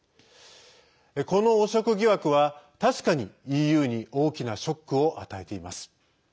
この汚職疑惑は確かに、ＥＵに大きなショックを与えています。